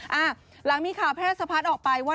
หลังจากนี้คะไพรสภาษออกไปว่า